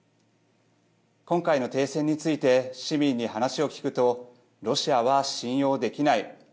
今回の停戦について市民に話を聞くとロシアは信用できない。